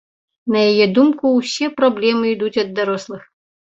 На яе думку, усе праблемы ідуць ад дарослых.